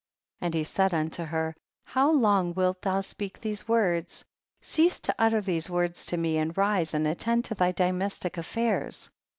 21. And he said unto her, how long wilt thou speak these words ? cease to utter these words to me, and rise and attend to thy domestic affairs.